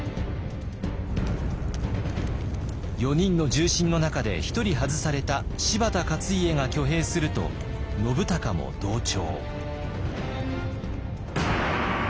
４人の重臣の中で１人外された柴田勝家が挙兵すると信孝も同調。